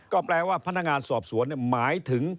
ก็แปลว่าพนักงานสอบสวนหมายถึง